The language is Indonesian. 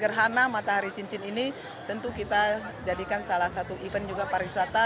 gerhana matahari cincin ini tentu kita jadikan salah satu event juga pariwisata